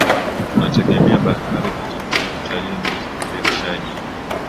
Tunategemea bahari kwa chakula utalii na usafirishaji